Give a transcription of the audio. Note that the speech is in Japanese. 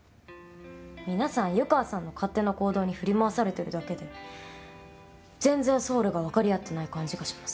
皆さん湯川さんの勝手な行動に振り回されてるだけで全然ソウルがわかり合ってない感じがします。